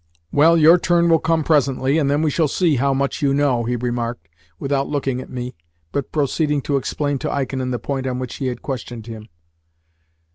"Well, your turn will come presently, and then we shall see how much you know," he remarked, without looking at me, but proceeding to explain to Ikonin the point on which he had questioned him.